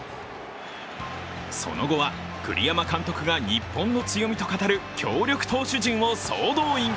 その後は、栗山監督が日本の強みと語る強力投手陣を総動員。